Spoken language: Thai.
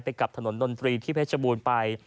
กับถนนดนตรีที่เพชรบูรณ์ไป